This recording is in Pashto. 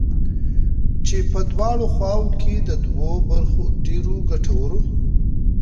چې په دواړو خواوو كې د دوو ډېرو گټورو